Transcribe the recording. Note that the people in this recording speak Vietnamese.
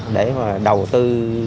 để mà đầu tư